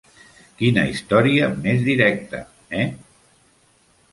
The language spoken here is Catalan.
Quina història més directa, eh?